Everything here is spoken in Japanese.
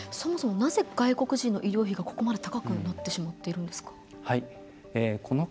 そもそもなぜ外国人の医療費がここまで高くなってしまっているんですか。